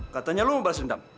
katanya lo mau balas dendam